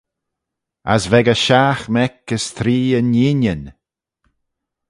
As v'echey shiaght mec as three inneenyn.